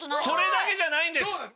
それだけじゃないんです。